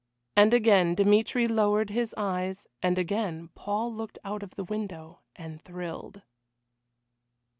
And again Dmitry lowered his eyes, and again Paul looked out of the window and thrilled.